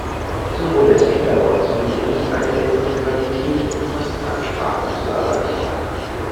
So wurde es vielerorts möglich, eine bessere Qualität und Kosteneinsparung zu erreichen.